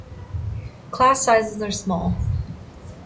Class sizes are small.